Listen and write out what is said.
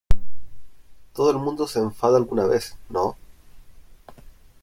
todo el mundo se enfada alguna vez, ¿ no?